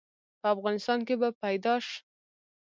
په افغانستان کې به پيدا ش؟